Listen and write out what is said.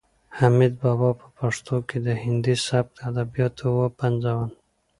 حمید بابا په پښتو کې د هندي سبک ادبیات وپنځول.